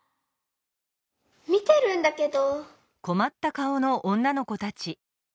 みてるんだけど。